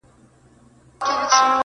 لوستونکي بېلابېل نظرونه ورکوي,